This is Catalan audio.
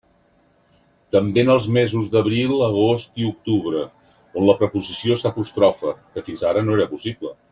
També en els mesos d'abril, agost i octubre, on la preposició s'apostrofa, que fins ara no era possible.